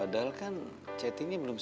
ada bank dua puluh juta dolar